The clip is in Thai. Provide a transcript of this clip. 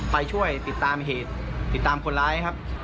ไปช่วยติดตามเหตุติดตามคนร้ายครับ